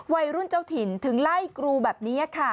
วัยรุ่นเจ้าถิ่นถึงไล่กรูแบบนี้ค่ะ